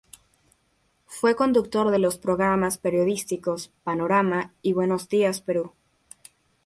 Fue conductor de los programas periodísticos Panorama y Buenos Días Perú.